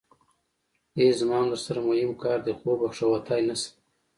ای زما ام درسره موهم کار دی خو وبښه وتی نشم.